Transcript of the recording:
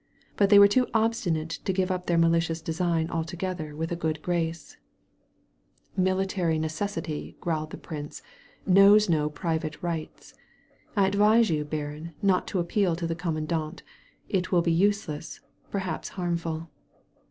But they were too obstinate to give up their malicious design altogether with a good grace. 58 A SANCTUARY OF TREES "Military necessity," growled the prince, "knows no private rights. I advise you, baron, not to ap peal to the commandant. It will be useless, per haps harmful."